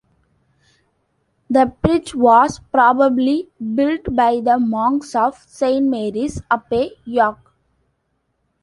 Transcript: The bridge was probably built by the monks of Saint Mary's Abbey, York.